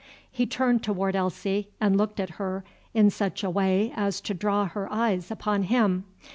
He turned toward Elsie and looked at her in such a way as to draw her eyes upon him.